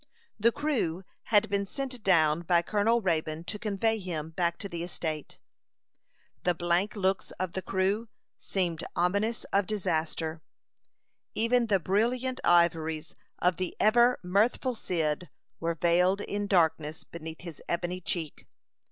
The crew had been sent down by Colonel Raybone to convey him back to the estate. The blank looks of the crew seemed ominous of disaster. Even the brilliant ivories of the ever mirthful Cyd were veiled in darkness beneath his ebony cheek.